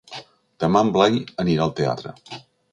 Demà en Blai anirà al teatre.